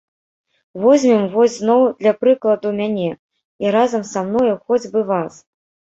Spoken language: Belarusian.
Возьмем вось зноў для прыкладу мяне і, разам са мною, хоць бы вас.